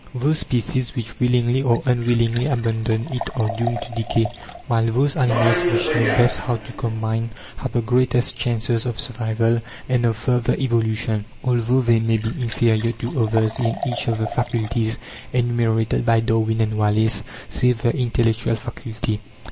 Those species which willingly or unwillingly abandon it are doomed to decay; while those animals which know best how to combine, have the greatest chances of survival and of further evolution, although they may be inferior to others in each of the faculties enumerated by Darwin and Wallace, save the intellectual faculty.